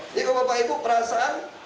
jadi kalau bapak ibu perasaan